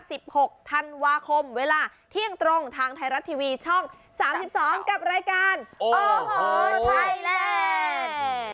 หกธันวาคมเวลาเที่ยงตรงทางไทยรัฐทีวีช่องสามสิบสองกับรายการโอ้โหไทยแลนด์